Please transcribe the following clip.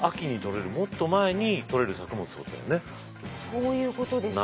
そういうことですよね。